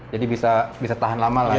jadi bisa tahan lama lah ya